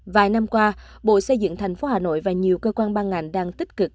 vài năm qua bộ xây dựng thành phố hà nội và nhiều cơ quan ban ngành đang tích cực